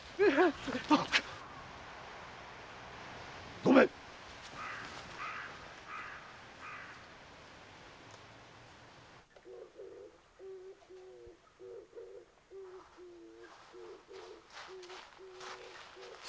ごめん鈴